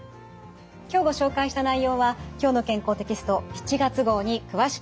今日ご紹介した内容は「きょうの健康」テキスト７月号に詳しく掲載されています。